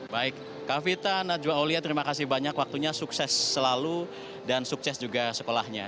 baik kak vita najwa olia terima kasih banyak waktunya sukses selalu dan sukses juga sekolahnya